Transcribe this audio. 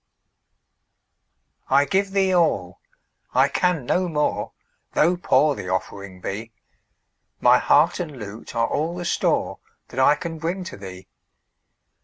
I give thee all I can no more Tho' poor the offering be; My heart and lute are all the store That I can bring to thee.